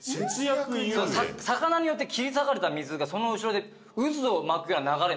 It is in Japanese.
魚によって切り裂かれた水がその後ろで渦を巻くような流れになるらしいんですね。